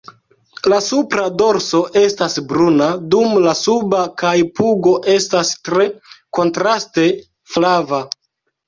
La supra dorso estas bruna, dum la suba kaj pugo estas tre kontraste flava.